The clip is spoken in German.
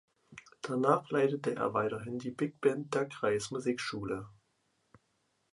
Danach leitete er weiterhin die Big Band der Kreismusikschule.